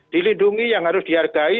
dilindungi yang harus dihargai